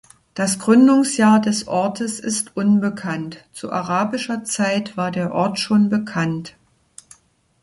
Das Gründungsjahr des Ortes ist unbekannt, zu arabischer Zeit war der Ort schon bekannt.